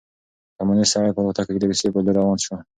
کمونیست سړی په الوتکه کې د روسيې په لور روان شو.